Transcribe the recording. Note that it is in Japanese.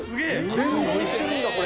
連動してるんだこれ。